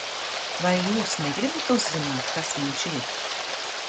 Vai Jūs negribat uzzināt, kas viņš ir?